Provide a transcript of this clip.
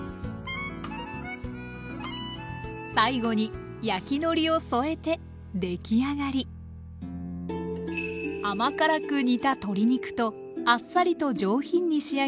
最後に焼きのりを添えて出来上がり甘辛く煮た鶏肉とあっさりと上品に仕上げたつゆの味。